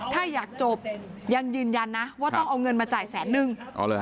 ถ้าอยากจบยังยืนยันนะว่าต้องเอาเงินมาจ่ายแสนนึง